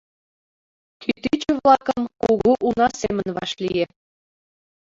Кӱтӱчӧ-влакым кугу уна семын вашлие.